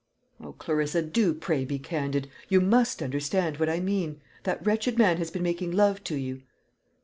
"O, Clarissa, do pray be candid. You must understand what I mean. That wretched man has been making love to you?"